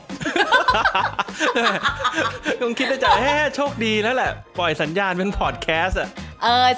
นี่คุณคิดได้จากเฮ่ยโชคดีแล้วแหละปล่อยสัญญาณเป็นพอร์ดแคสต์